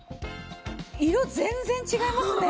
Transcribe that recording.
色全然違いますね！